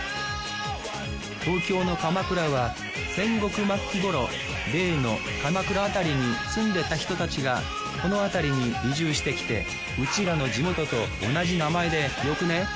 東京の鎌倉は戦国末期頃例の鎌倉辺りに住んでた人たちがこの辺りに移住してきて「うちらの地元と同じ名前でよくね？」